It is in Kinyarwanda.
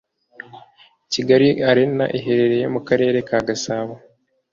Kigali arena iherereye mukarere kagasabo